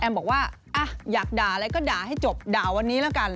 บอกว่าอยากด่าอะไรก็ด่าให้จบด่าวันนี้แล้วกัน